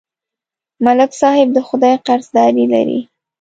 ملک صاحب د خدای قرضداري لري